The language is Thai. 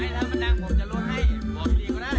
ไหมถ้ามันดังผมจะลบให้บอกดีก็ได้